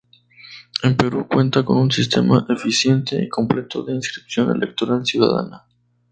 El Perú cuenta con un sistema eficiente y completo de inscripción electoral ciudadana.